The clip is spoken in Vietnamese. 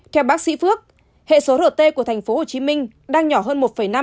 theo bác sĩ phước hệ số rt của tp hcm đang nhỏ hơn một năm